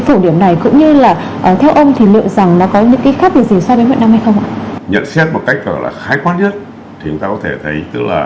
thì chúng ta có thể thấy